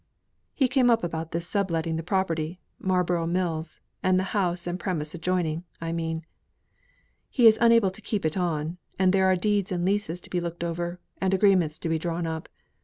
"He came up about this sub letting the property Marlborough Mills, and the house and premises adjoining, I mean. He is unable to keep it on; and there are deeds and leases to be looked over and agreements to be drawn up.